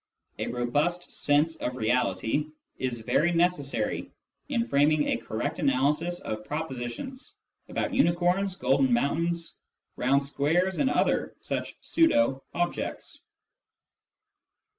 A robust sense of reality is very necessary in framing a correct analysis of propositions about unicorns, golden moun tains, round squares, and other such pseudo objects.